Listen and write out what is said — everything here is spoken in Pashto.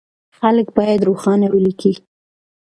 خلک بايد روښانه وليکي.